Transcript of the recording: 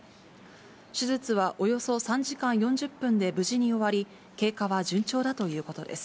手術はおよそ３時間４０分で無事に終わり、経過は順調だということです。